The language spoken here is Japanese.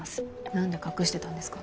何で隠してたんですか？